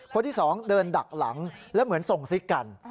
คนที่สองเดินดักหลังแล้วเหมือนส่งซิกกัน